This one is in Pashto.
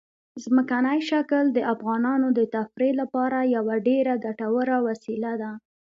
ځمکنی شکل د افغانانو د تفریح لپاره یوه ډېره ګټوره وسیله ده.